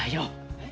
えっ？